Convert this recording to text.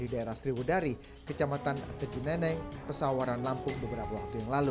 di daerah sriwudari kecamatan tegi neneng pesawaran lampung beberapa waktu yang lalu